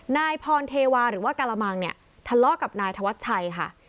นายพรเทวาหรือว่าการมังเนี่ยทะเลาะกับนายธวัชชัยค่ะ